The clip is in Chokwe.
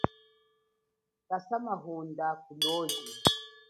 Kasa mahunda kuloji.